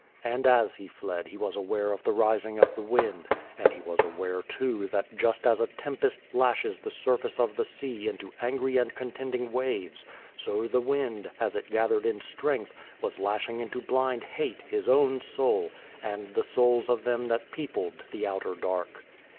And as he fled he was aware of the rising of the wind ; and he was aware, too, that just as a tempest lashes the surface of the sea into angry and contending waves, so the wind, as it gathered in strength, was lashing into blind hate his own soul, and the souls of them that peopled the outer dark.